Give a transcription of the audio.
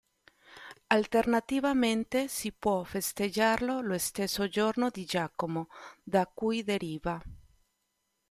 Alternativamente, si può festeggiarlo lo stesso giorno di Giacomo, da cui deriva.